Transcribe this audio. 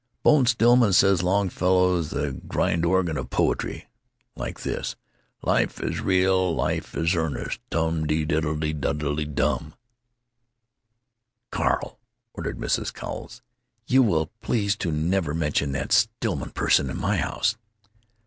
"Bone Stillman says Longfellow's the grind organ of poetry. Like this: 'Life is re al, life is ear nest, tum te diddle dydle dum!'" "Carl," ordered Mrs. Cowles, "you will please to never mention that Stillman person in my house!"